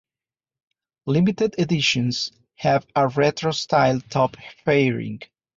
Limited editions have a retro-styled top fairing.